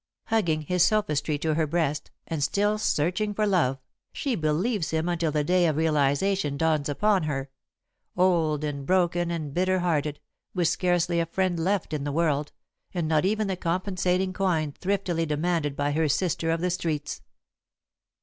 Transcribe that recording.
Hugging this sophistry to her breast, and still searching for love, she believes him until the day of realisation dawns upon her old and broken and bitter hearted, with scarcely a friend left in the world, and not even the compensating coin thriftily demanded by her sister of the streets.